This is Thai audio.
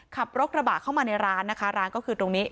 ขับรถกระบะเข้ามาในร้านนะคะร้านก็คือตรงนี้